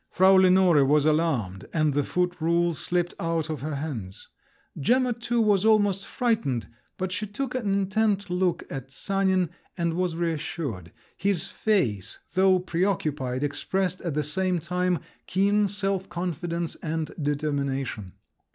Frau Lenore was alarmed, and the foot rule slipped out of her hands. Gemma too was almost frightened, but she took an intent look at Sanin, and was reassured. His face, though preoccupied, expressed at the same time keen self confidence and determination.